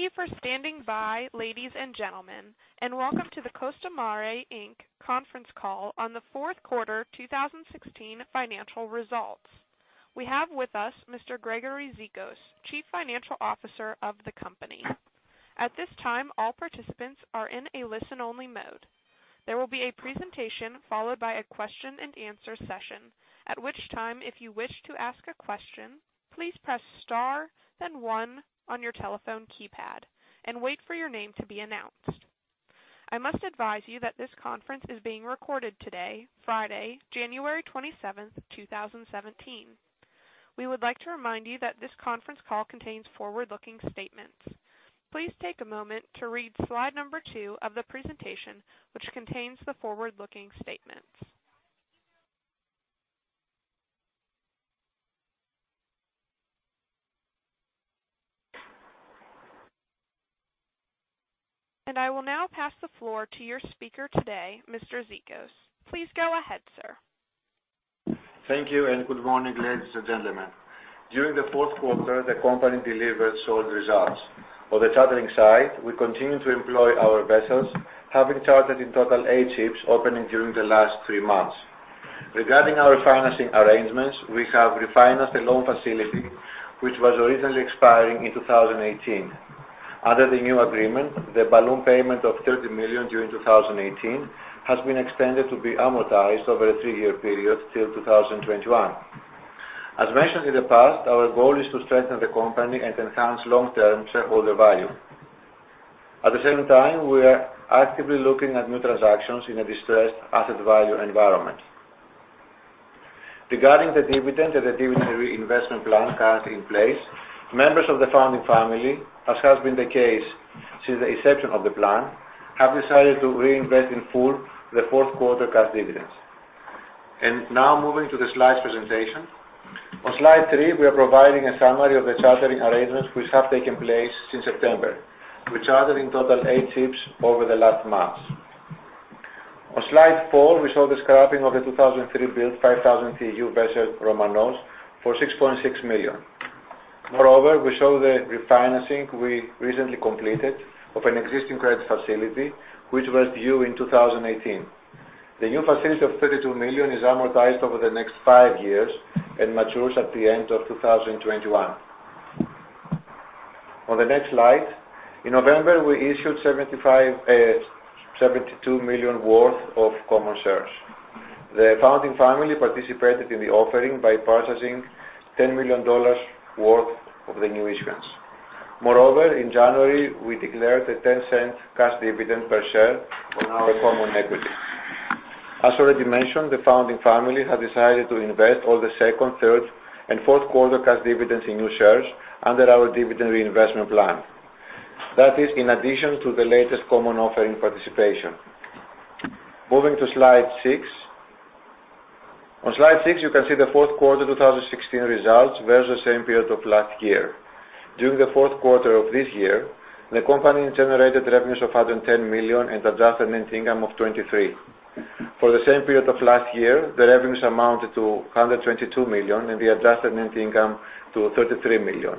Thank you for standing by, ladies and gentlemen, welcome to the Costamare Inc. conference call on the fourth quarter 2016 financial results. We have with us Mr. Gregory Zikos, Chief Financial Officer of the company. At this time, all participants are in a listen-only mode. There will be a presentation followed by a question and answer session. At which time, if you wish to ask a question, please press star then one on your telephone keypad and wait for your name to be announced. I must advise you that this conference is being recorded today, Friday, January 27, 2017. We would like to remind you that this conference call contains forward-looking statements. Please take a moment to read slide number two of the presentation, which contains the forward-looking statements. I will now pass the floor to your speaker today, Mr. Zikos. Please go ahead, sir. Thank you, good morning, ladies and gentlemen. During the fourth quarter, the company delivered solid results. On the chartering side, we continue to employ our vessels, having chartered in total eight ships opening during the last three months. Regarding our financing arrangements, we have refinanced a loan facility which was originally expiring in 2018. Under the new agreement, the balloon payment of $30 million during 2018 has been extended to be amortized over a three-year period till 2021. As mentioned in the past, our goal is to strengthen the company and enhance long-term shareholder value. At the same time, we are actively looking at new transactions in a distressed asset value environment. Regarding the dividend and the dividend reinvestment plan currently in place, members of the founding family, as has been the case since the inception of the plan, have decided to reinvest in full the fourth quarter cash dividends. Now moving to the slides presentation. On slide three, we are providing a summary of the chartering arrangements which have taken place since September. We chartered in total eight ships over the last months. On slide four, we saw the scrapping of the 2003 built 5,000 TEU vessel Romanos for $6.6 million. Moreover, we show the refinancing we recently completed of an existing credit facility which was due in 2018. The new facility of $32 million is amortized over the next five years and matures at the end of 2021. On the next slide, in November, we issued $72 million worth of common shares. The founding family participated in the offering by purchasing $10 million worth of the new issuance. Moreover, in January, we declared a $0.10 cash dividend per share on our common equity. As already mentioned, the founding family has decided to invest all the second, third, and fourth quarter cash dividends in new shares under our dividend reinvestment plan. That is in addition to the latest common offering participation. Moving to slide six. On slide six, you can see the fourth quarter 2016 results versus the same period of last year. During the fourth quarter of this year, the company generated revenues of $110 million and adjusted net income of $23 million. For the same period of last year, the revenues amounted to $122 million and the adjusted net income to $33 million.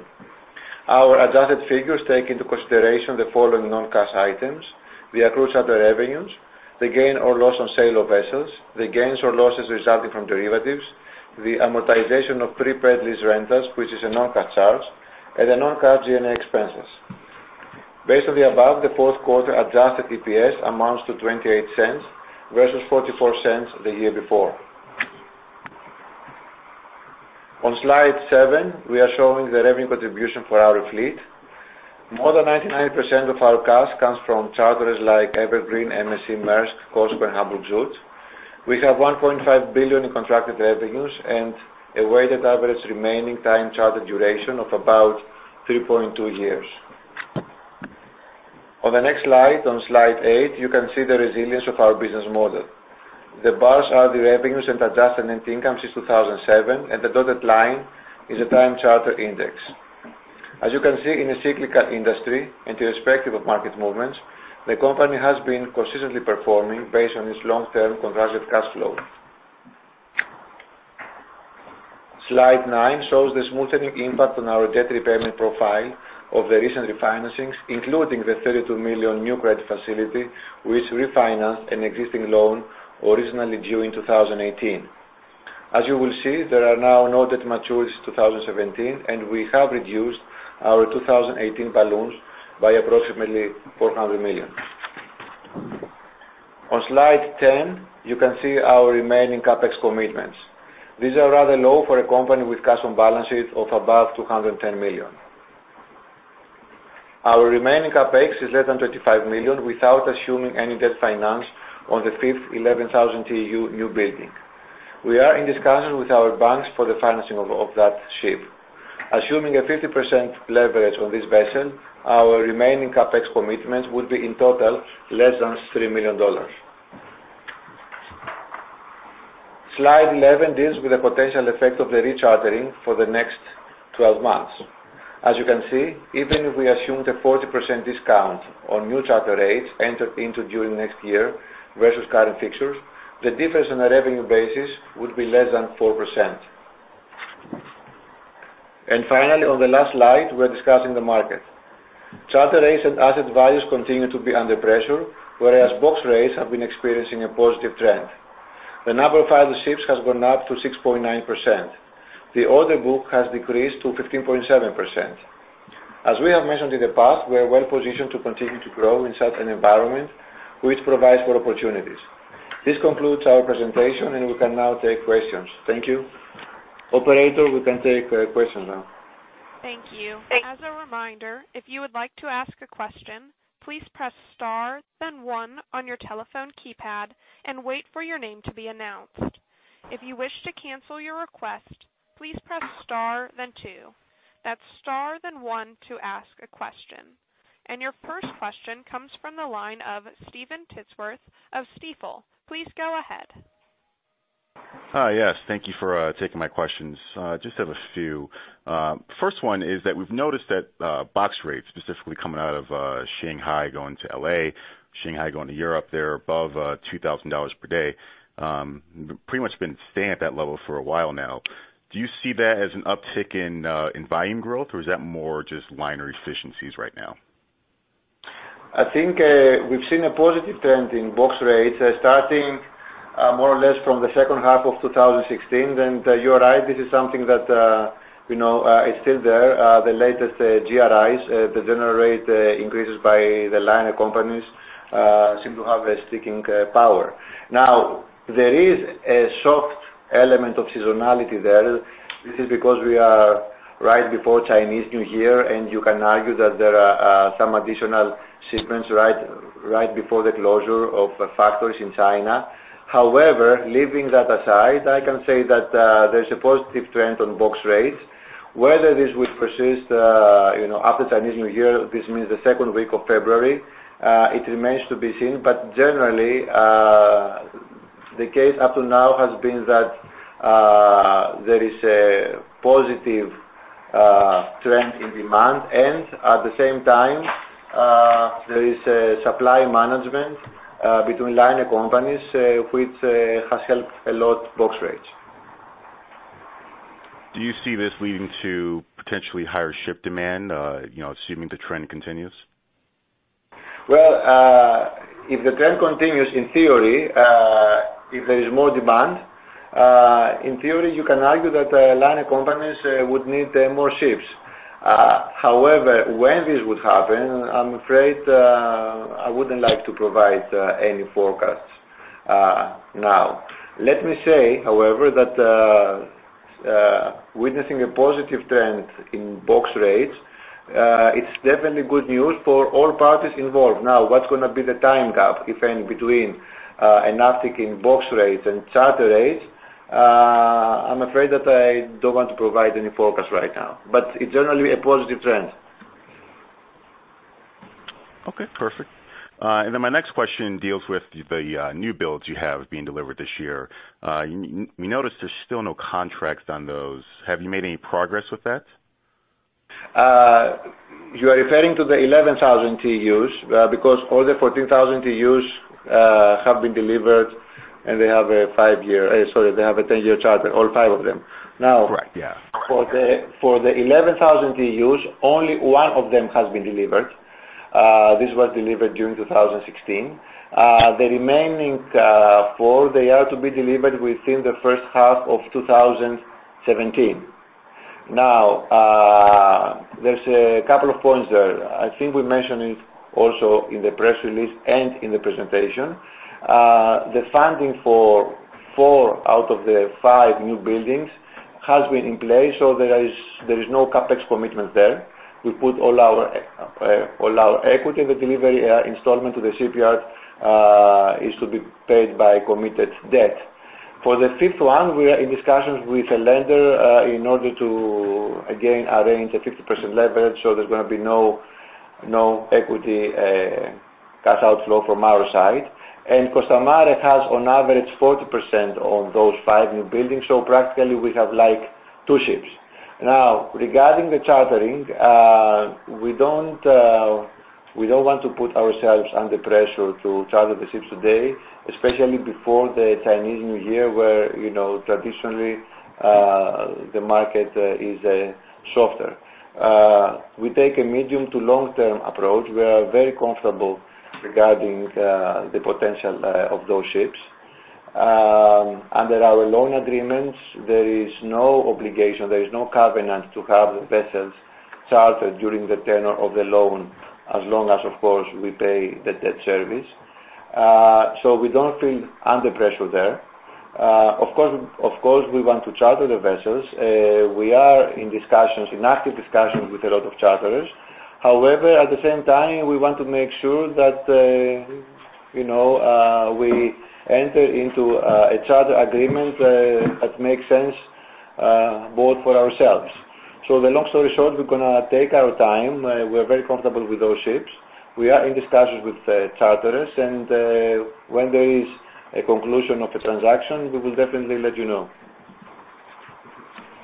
Our adjusted figures take into consideration the following non-cash items: the accrued charter revenues, the gain or loss on sale of vessels, the gains or losses resulting from derivatives, the amortization of prepaid lease rentals, which is a non-cash charge, and the non-cash G&A expenses. Based on the above, the fourth quarter adjusted EPS amounts to $0.28 versus $0.44 the year before. On slide seven, we are showing the revenue contribution for our fleet. More than 99% of our revenue comes from charters like Evergreen, MSC, Maersk, COSCO, and Hapag-Lloyd. We have $1.5 billion in contracted revenues and a weighted average remaining time charter duration of about 3.2 years. On the next slide, on slide eight, you can see the resilience of our business model. The bars are the revenues and adjusted net income since 2007, and the dotted line is a time charter index. As you can see in the cyclical industry, irrespective of market movements, the company has been consistently performing based on its long-term contracted cash flow. Slide nine shows the smoothening impact on our debt repayment profile of the recent refinancings, including the $32 million new credit facility, which refinanced an existing loan originally due in 2018. As you will see, there are now no debt matures 2017, and we have reduced our 2018 balloons by approximately $400 million. On slide 10, you can see our remaining CapEx commitments. These are rather low for a company with cash on balances of above $210 million. Our remaining CapEx is less than $35 million without assuming any debt finance on the 5th 11,000 TEU new building. We are in discussions with our banks for the financing of that ship. Assuming a 50% leverage on this vessel, our remaining CapEx commitments would be in total less than $3 million. Slide 11 deals with the potential effect of the rechartering for the next 12 months. As you can see, even if we assume the 40% discount on new charter rates entered into during next year versus current fixtures, the difference on a revenue basis would be less than 4%. Finally, on the last slide, we're discussing the market. Charter rates and asset values continue to be under pressure, whereas box rates have been experiencing a positive trend. The number of idle ships has gone up to 6.9%. The order book has decreased to 15.7%. As we have mentioned in the past, we are well-positioned to continue to grow in such an environment, which provides for opportunities. This concludes our presentation, and we can now take questions. Thank you. Operator, we can take questions now. Thank you. As a reminder, if you would like to ask a question, please press star then one on your telephone keypad and wait for your name to be announced. If you wish to cancel your request, please press star then two. That's star then one to ask a question. Your first question comes from the line of Steven Tittsworth of Stifel. Please go ahead. Hi. Yes, thank you for taking my questions. Just have a few. First one is that we've noticed that box rates, specifically coming out of Shanghai going to L.A., Shanghai going to Europe, they're above $2,000 per day. Pretty much been staying at that level for a while now. Do you see that as an uptick in volume growth or is that more just liner efficiencies right now? I think we've seen a positive trend in box rates starting more or less from the second half of 2016. You are right, this is something that is still there. The latest GRIs, the general rate increases by the liner companies, seem to have a sticking power. There is a soft element of seasonality there. This is because we are right before Chinese New Year, and you can argue that there are some additional shipments right before the closure of factories in China. However, leaving that aside, I can say that there's a positive trend on box rates. Whether this will persist after Chinese New Year, this means the second week of February, it remains to be seen. Generally, the case up to now has been that there is a positive trend in demand and at the same time, there is a supply management between liner companies which has helped a lot box rates. Do you see this leading to potentially higher ship demand assuming the trend continues? If the trend continues in theory, if there is more demand, in theory, you can argue that liner companies would need more ships. However, when this would happen, I'm afraid I wouldn't like to provide any forecasts. Let me say, however, that witnessing a positive trend in box rates, it's definitely good news for all parties involved. What's going to be the time gap, if any, between an uptick in box rates and charter rates? I'm afraid that I don't want to provide any forecast right now, but it's generally a positive trend. Okay, perfect. My next question deals with the new builds you have being delivered this year. We noticed there's still no contracts on those. Have you made any progress with that? You are referring to the 11,000 TEUs because all the 14,000 TEUs have been delivered and they have a 10-year charter, all five of them. Correct, yeah. Now, for the 11,000 TEUs, only one of them has been delivered. This was delivered during 2016. The remaining four, they are to be delivered within the first half of 2017. Now, there's a couple of points there. I think we mentioned it also in the press release and in the presentation. The funding for four out of the five new buildings has been in place, so there is no CapEx commitment there. We put all our equity, the delivery installment to the shipyard is to be paid by committed debt. For the fifth one, we are in discussions with a lender in order to, again, arrange a 50% leverage, so there's going to be no equity cash outflow from our side. Costamare has on average 40% on those five new buildings, so practically we have two ships. Now, regarding the chartering, we don't want to put ourselves under pressure to charter the ships today, especially before the Chinese New Year where traditionally the market is softer. We take a medium to long-term approach. We are very comfortable regarding the potential of those ships. Under our loan agreements, there is no obligation, there is no covenant to have the vessels chartered during the tenure of the loan, as long as, of course, we pay the debt service. We don't feel under pressure there. Of course, we want to charter the vessels. We are in active discussions with a lot of charterers. However, at the same time, we want to make sure that we enter into a charter agreement that makes sense both for ourselves. The long story short, we're going to take our time. We're very comfortable with those ships. We are in discussions with the charterers, when there is a conclusion of a transaction, we will definitely let you know.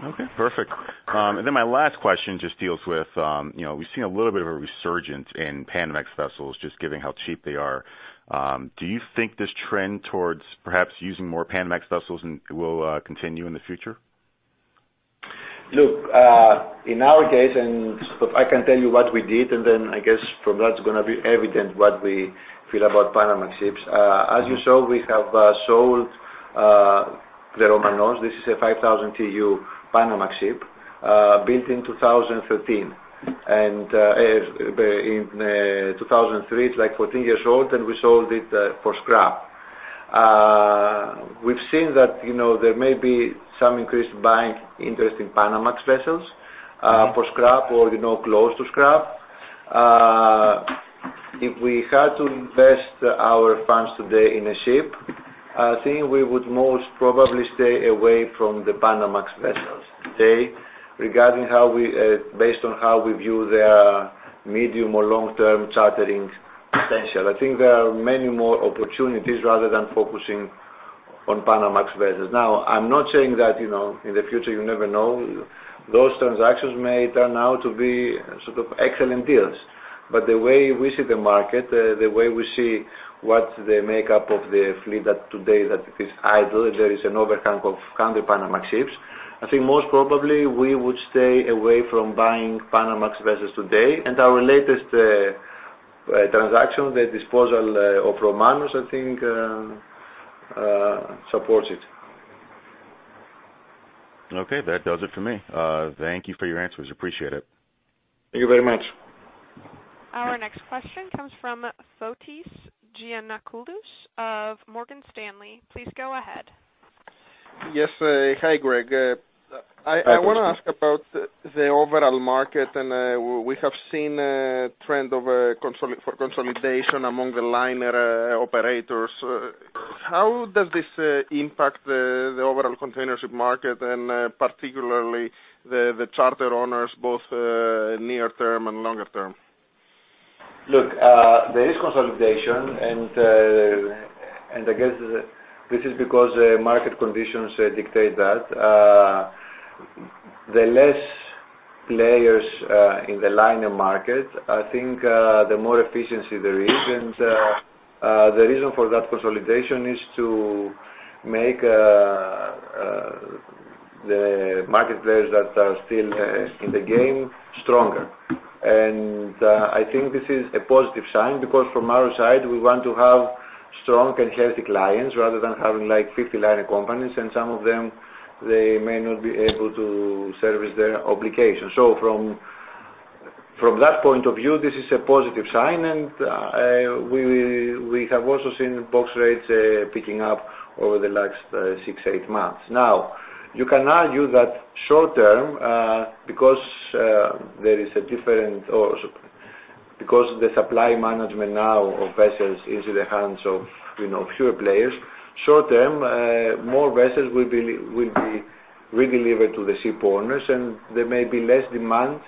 Okay, perfect. My last question just deals with, we've seen a little bit of a resurgence in Panamax vessels, just given how cheap they are. Do you think this trend towards perhaps using more Panamax vessels will continue in the future? Look, in our case, and I can tell you what we did, and then I guess from that it's going to be evident what we feel about Panamax ships. As you saw, we have sold the Romanos. This is a 5,000 TEU Panamax ship built in 2013. In 2003, it's 14 years old, and we sold it for scrap. We've seen that there may be some increased buying interest in Panamax vessels for scrap or close to scrap. If we had to invest our funds today in a ship, I think we would most probably stay away from the Panamax vessels today based on how we view their medium or long-term chartering potential. I think there are many more opportunities rather than focusing on Panamax vessels. I'm not saying that in the future, you never know. Those transactions may turn out to be excellent deals. The way we see the market, the way we see what the makeup of the fleet that today that is idle, there is an overhang of 100 Panamax ships. I think most probably we would stay away from buying Panamax vessels today, and our latest transaction, the disposal of Romanos, I think, supports it. Okay. That does it for me. Thank you for your answers. Appreciate it. Thank you very much. Our next question comes from Fotis Giannakoulis of Morgan Stanley. Please go ahead. Yes. Hi, Greg. Hi, Fotis. I want to ask about the overall market. We have seen a trend for consolidation among the liner operators. How does this impact the overall containership market and particularly the charter owners, both near term and longer term? Look, there is consolidation. I guess this is because market conditions dictate that. The less players in the liner market, I think the more efficiency there is. The reason for that consolidation is to make the market players that are still in the game stronger. I think this is a positive sign because from our side, we want to have strong and healthy clients rather than having 50 liner companies, and some of them, they may not be able to service their obligations. From that point of view, this is a positive sign. We have also seen box rates picking up over the last six, eight months. Now, you can argue that short-term because the supply management now of vessels is in the hands of fewer players, short-term, more vessels will be redelivered to the ship owners. There may be less demand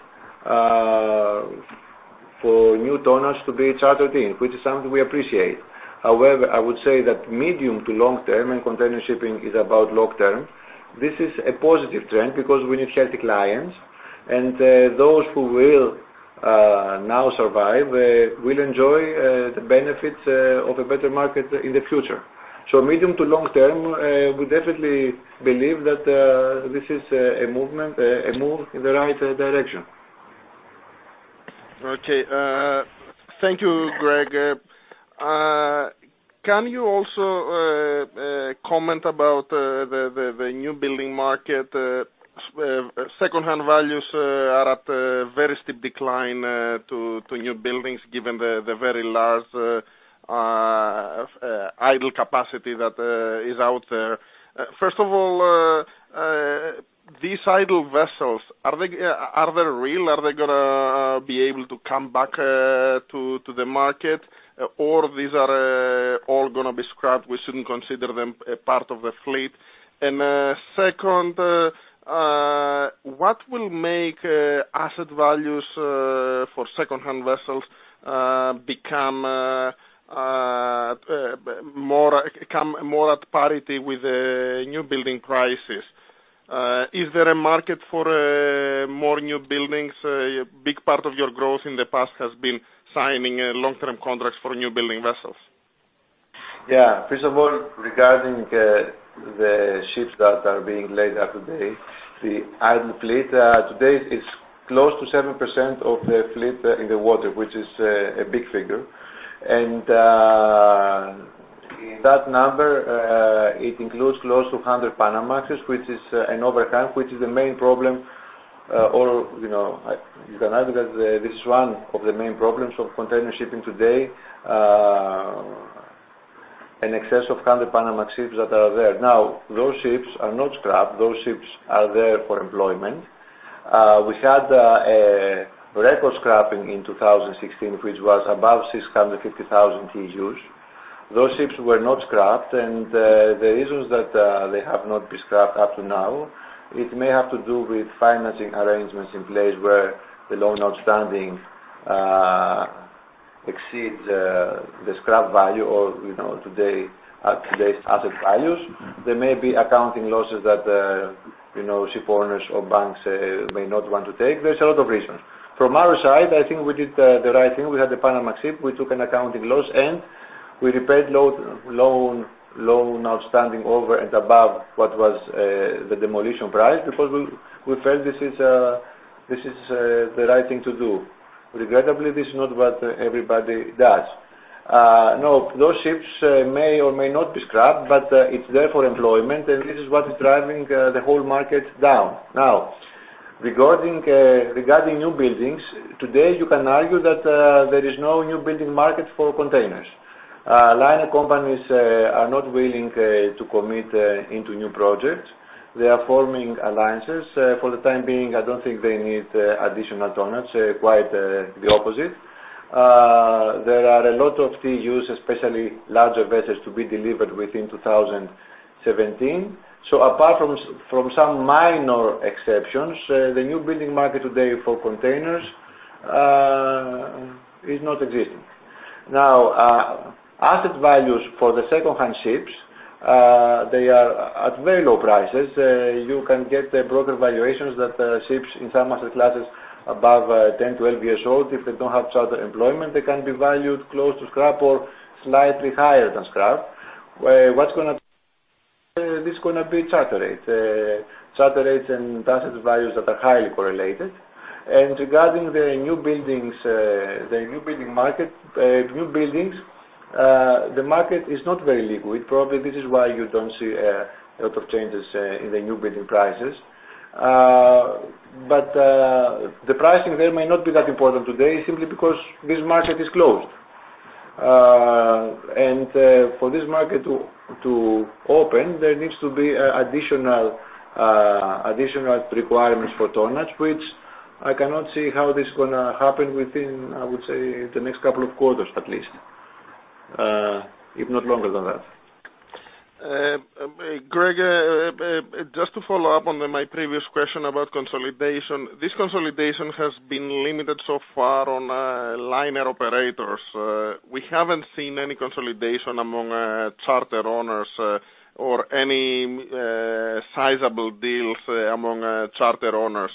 for new tonnages to be chartered in, which is something we appreciate. However, I would say that medium to long-term. Container shipping is about long-term. This is a positive trend because we need healthy clients. Those who will now survive will enjoy the benefits of a better market in the future. Medium to long-term, we definitely believe that this is a move in the right direction. Okay. Thank you, Greg. Can you also comment about the new building market? Secondhand values are at a very steep decline to new buildings, given the very large idle capacity that is out there. First of all, these idle vessels, are they real? Are they going to be able to come back to the market? These are all going to be scrapped, we shouldn't consider them a part of the fleet? Second, what will make asset values for secondhand vessels become more at parity with new building prices? Is there a market for more new buildings? A big part of your growth in the past has been signing long-term contracts for new building vessels. Yeah. First of all, regarding the ships that are being laid up today, the idle fleet today is close to 7% of the fleet in the water, which is a big figure. In that number, it includes close to 100 Panamax, which is an overhang, which is the main problem, or you can argue that this is one of the main problems of container shipping today, an excess of 100 Panamax ships that are there. Now, those ships are not scrapped. Those ships are there for employment. We had a record scrapping in 2016, which was above 650,000 TEUs. Those ships were not scrapped, and the reasons that they have not been scrapped up to now, it may have to do with financing arrangements in place where the loan outstanding exceeds the scrap value or today's asset values. There may be accounting losses that ship owners or banks may not want to take. There's a lot of reasons. From our side, I think we did the right thing. We had the Panamax ship, we took an accounting loss, and we repaid loan outstanding over and above what was the demolition price because we felt this is the right thing to do. Regrettably, this is not what everybody does. No, those ships may or may not be scrapped, but it's there for employment, and this is what is driving the whole market down. Now, regarding new buildings, today you can argue that there is no new building market for containers. Liner companies are not willing to commit into new projects. They are forming alliances. For the time being, I don't think they need additional tonnage. Quite the opposite. There are a lot of TEUs, especially larger vessels, to be delivered within 2017. Apart from some minor exceptions, the new building market today for containers is not existing. Now, asset values for the secondhand ships, they are at very low prices. You can get broker valuations that ships in some of the classes above 10, 12 years old, if they don't have charter employment, they can be valued close to scrap or slightly higher than scrap. What's going to this is going to be charter rates. Charter rates and asset values that are highly correlated. Regarding the new buildings, the market is not very liquid. Probably this is why you don't see a lot of changes in the new building prices. But the pricing there may not be that important today simply because this market is closed. For this market to open, there needs to be additional requirements for tonnage, which I cannot see how this is going to happen within, I would say, the next couple of quarters at least, if not longer than that. Greg, just to follow up on my previous question about consolidation. This consolidation has been limited so far on liner operators. We haven't seen any consolidation among charter owners or any sizable deals among charter owners.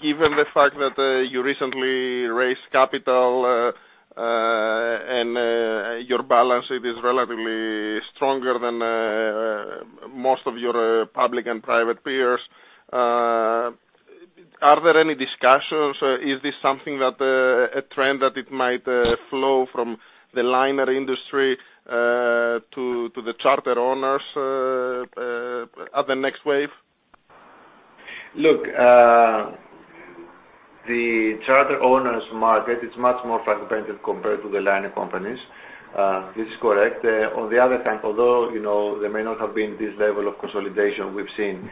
Given the fact that you recently raised capital, and your balance sheet is relatively stronger than most of your public and private peers, are there any discussions? Is this a trend that it might flow from the liner industry to the charter owners at the next wave? Look, the charter owners market is much more fragmented compared to the liner companies. This is correct. On the other hand, although there may not have been this level of consolidation we've seen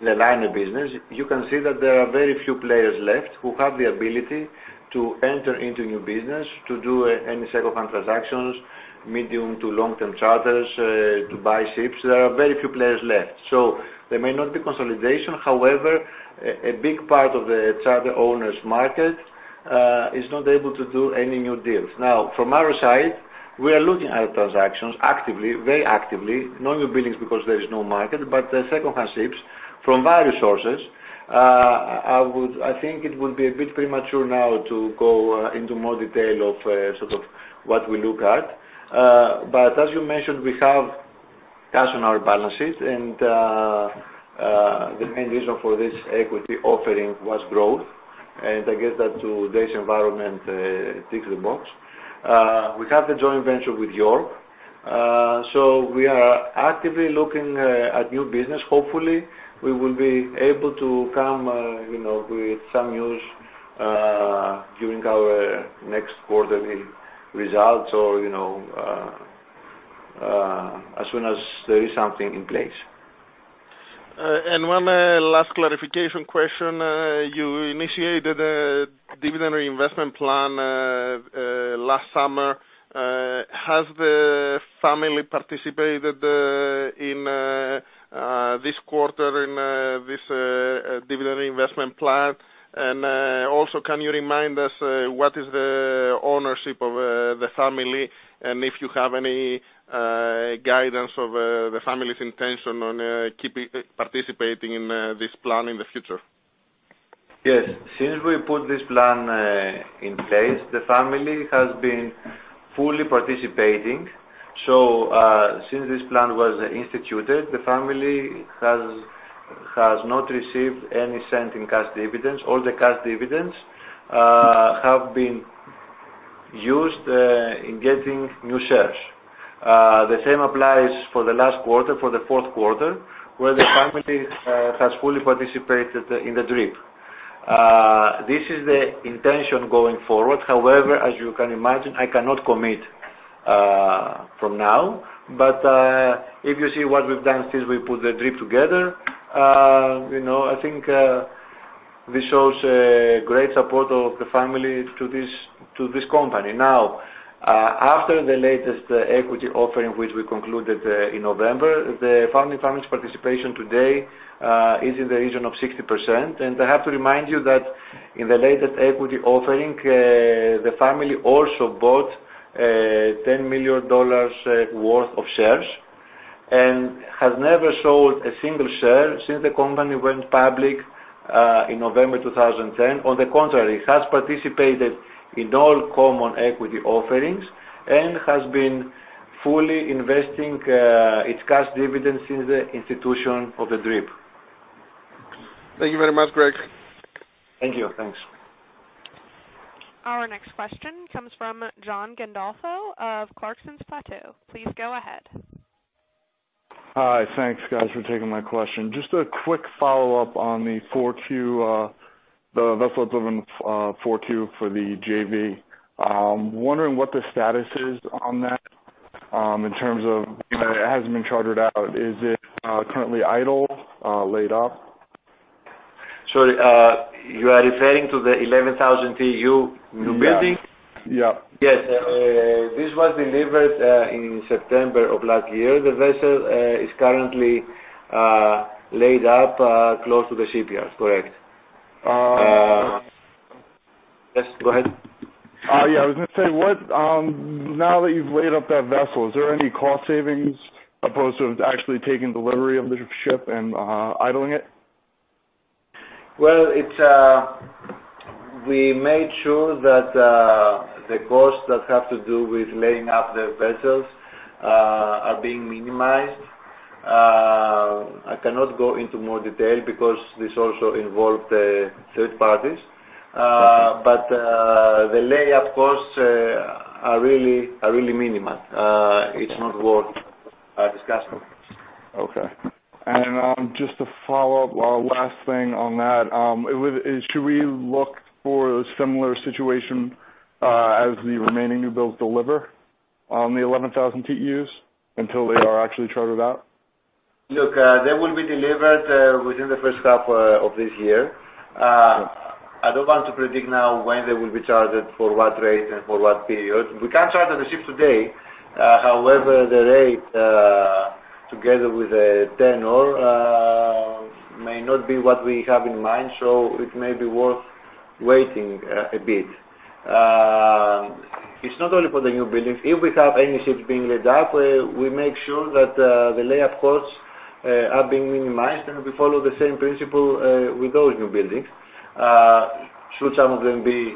in the liner business, you can see that there are very few players left who have the ability to enter into new business to do any secondhand transactions, medium to long-term charters to buy ships. There are very few players left. There may not be consolidation, however, a big part of the charter owners market is not able to do any new deals. From our side, we are looking at transactions actively, very actively, no new buildings because there is no market, but the secondhand ships from various sources, I think it would be a bit premature now to go into more detail of sort of what we look at. As you mentioned, we have cash on our balances, and the main reason for this equity offering was growth. I guess that today's environment ticks the box. We have the joint venture with York. We are actively looking at new business. Hopefully, we will be able to come with some news during our next quarterly results or, as soon as there is something in place. One last clarification question. You initiated a dividend reinvestment plan last summer. Has the family participated this quarter in this dividend reinvestment plan? Also, can you remind us what is the ownership of the family and if you have any guidance of the family's intention on participating in this plan in the future? Yes. Since we put this plan in place, the family has been fully participating. Since this plan was instituted, the family has not received any $0.01 in cash dividends. All the cash dividends have been used in getting new shares. The same applies for the last quarter, for the fourth quarter, where the family has fully participated in the DRIP. This is the intention going forward. As you can imagine, I cannot commit from now. If you see what we've done since we put the DRIP together, I think this shows great support of the family to this company. After the latest equity offering, which we concluded in November, the founding family's participation today is in the region of 60%. I have to remind you that in the latest equity offering, the family also bought $10 million worth of shares. Has never sold a single share since the company went public in November 2010. On the contrary, has participated in all common equity offerings and has been fully investing its cash dividends in the institution of the DRIP. Thank you very much, Greg. Thank you. Thanks. Our next question comes from John Gandolfo of Clarksons Platou. Please go ahead. Hi. Thanks, guys, for taking my question. Just a quick follow-up on the vessels within the 4Q for the JV. I'm wondering what the status is on that in terms of it hasn't been chartered out. Is it currently idle, laid up? Sorry, you are referring to the 11,000 TEU new building? Yeah. Yes. This was delivered in September of last year. The vessel is currently laid up close to the shipyards. Correct. Yes, go ahead. Yeah, I was going to say, now that you've laid up that vessel, is there any cost savings opposed to actually taking delivery of the ship and idling it? Well, we made sure that the costs that have to do with laying up the vessels are being minimized. I cannot go into more detail because this also involved third parties. The layup costs are really minimal. It's not worth discussing. Okay. Just to follow up, one last thing on that, should we look for a similar situation as the remaining new builds deliver on the 11,000 TEUs until they are actually chartered out? Look, they will be delivered within the first half of this year. I don't want to predict now when they will be chartered, for what rate and for what period. We can charter the ship today. However, the rate, together with the tenure, may not be what we have in mind, so it may be worth waiting a bit. It's not only for the new buildings. If we have any ships being laid up, we make sure that the layup costs are being minimized, and we follow the same principle with those new buildings should some of them be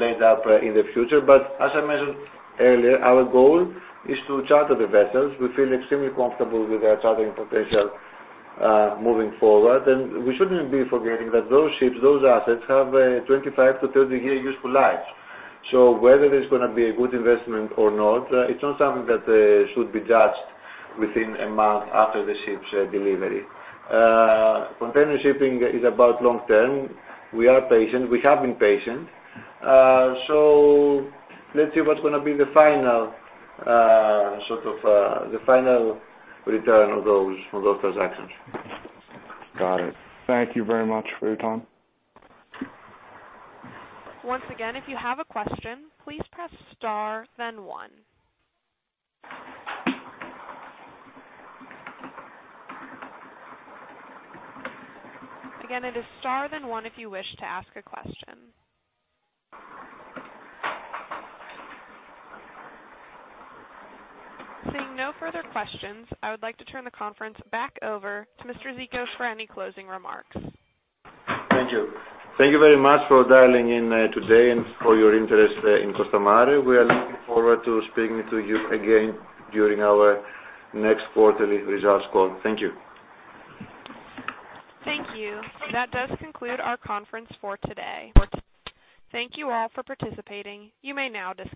laid up in the future. As I mentioned earlier, our goal is to charter the vessels. We feel extremely comfortable with our chartering potential moving forward. We shouldn't be forgetting that those ships, those assets, have a 25 to 30 year useful life. Whether it's going to be a good investment or not, it's not something that should be judged within a month after the ship's delivery. Container shipping is about long-term. We are patient. We have been patient. Let's see what's going to be the final return on those transactions. Got it. Thank you very much for your time. Once again, if you have a question, please press star then one. Again, it is star then one if you wish to ask a question. Seeing no further questions, I would like to turn the conference back over to Mr. Zikos for any closing remarks. Thank you. Thank you very much for dialing in today and for your interest in Costamare. We are looking forward to speaking to you again during our next quarterly results call. Thank you. Thank you. That does conclude our conference for today. Thank you all for participating. You may now disconnect.